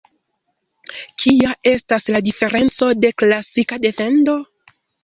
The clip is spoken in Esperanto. Kia estas la diferenco de "klasika defendo"?